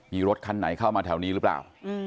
มีรถคันไหนเข้ามาแถวนี้หรือเปล่า